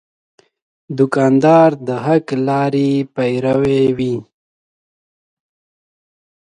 دوکاندار د حق لارې پیرو وي.